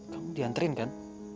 kamu diantriin kan